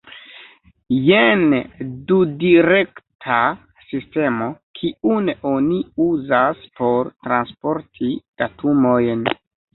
Jen dudirekta sistemo, kiun oni uzas por transporti datumojn.